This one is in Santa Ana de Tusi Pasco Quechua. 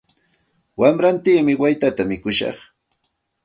Warantimi waytata mikushaq.